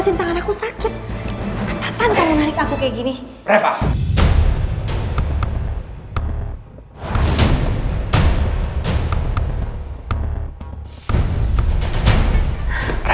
hai makanya jelas omongan saya kemarin di kantor polisi